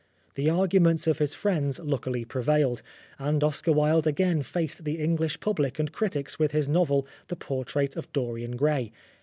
The arguments of his friends luckily prevailed, and Oscar Wilde again faced the English public and critics with his novel, The Portrait of Dorian Gray.